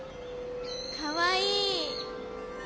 かわいい。